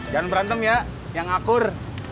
jangan berantem ya yang akur